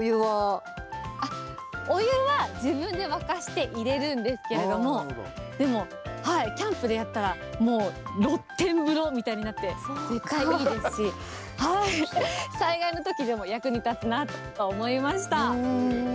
お湯は自分で沸かして入れるんですけれども、でも、キャンプでやったら、もう、露天風呂みたいになって、絶対いいですし、災害のときでも役に立つなと思いました。